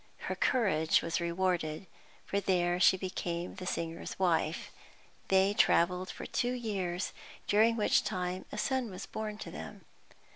Her courage was rewarded, for there she became the singer's wife. They travelled for two years, during which time a son was born to them.